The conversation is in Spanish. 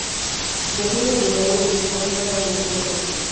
Vecino de Louredo cuya esposa está gravemente enferma.